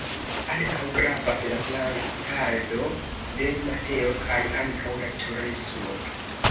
Ankaŭ gravas la plantado de mateo kaj ankaŭ la turismo.